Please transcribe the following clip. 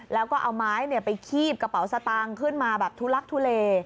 แล้วก็เอาไม้ไปคีบกระเป๋าสตางค์ขึ้นมาแบบทุลักทุเล